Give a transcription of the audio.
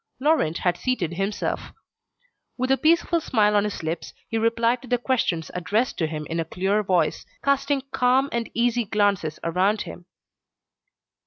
Laurent had seated himself. With a peaceful smile on his lips, he replied to the questions addressed to him in a clear voice, casting calm and easy glances around him.